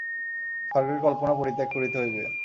স্বর্গের কল্পনা পরিত্যাগ করিতে হইবে।